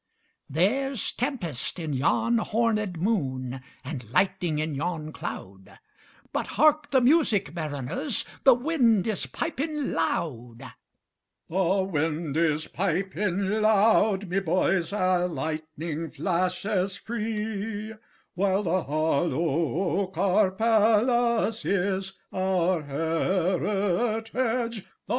There's tempest in yon hornèd moon, And lightning in yon cloud:But hark the music, mariners! The wind is piping loud; The wind is piping loud, my boys, The lightning flashes free—While the hollow oak our palace is, Our heritage the sea.